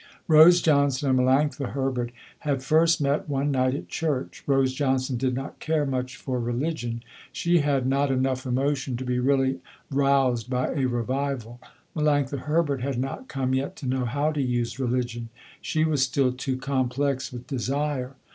Rose Johnson and Melanctha Herbert had first met, one night, at church. Rose Johnson did not care much for religion. She had not enough emotion to be really roused by a revival. Melanctha Herbert had not come yet to know how to use religion. She was still too complex with desire.